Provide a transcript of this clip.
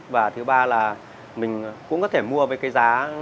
và thứ ba là mình cũng có thể mua với cái giá